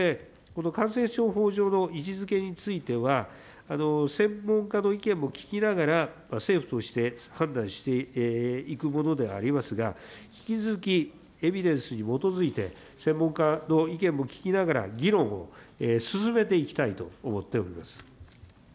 この感染症法上の位置づけについては、専門家の意見も聞きながら、政府として判断していくものでありますが、引き続き、エビデンスに基づいて、専門家の意見も聞きながら、議論を進めていきたいと思っております。